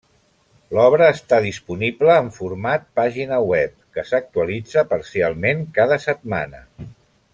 L'obra està disponible en format pàgina web, que s'actualitza parcialment cada setmana.